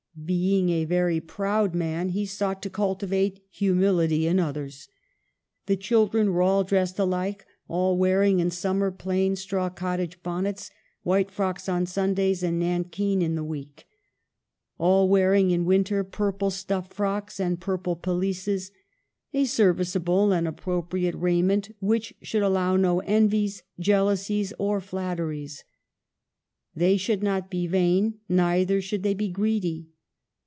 Being a very proud man, he sought to cultivate humility in others. The children were all dressed alike, all wearing in summer plain straw cottage bonnets, white frocks on Sundays and nankeen in the week ; all wearing in winter purple stuff frocks and purple pelisses — a serviceable and appropriate raiment which should allow no envies, jeal ousies, or flatteries. They should not be vain, neither should they be greedy.